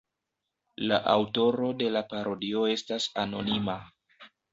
La aŭtoro de la parodio estas anonima.